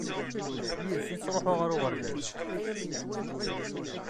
Yid-s i ttṛuḥuɣ ɣer uɣerbaz.